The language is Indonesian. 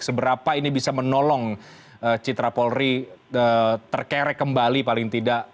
seberapa ini bisa menolong citra polri terkerek kembali paling tidak